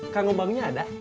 kan obangnya ada